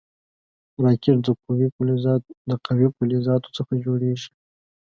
راکټ د قوي فلزاتو څخه جوړېږي